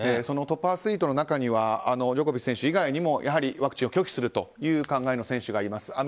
そのトップアスリートの中にはジョコビッチ選手以外にもやはりワクチンを拒否するという考えの選手がいます。